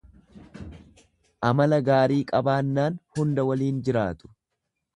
Amala gaarii qabaannaan hunda waliin jiraatu.